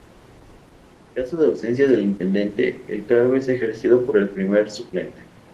En caso de ausencia del Intendente, el cargo es ejercido por el primer suplente.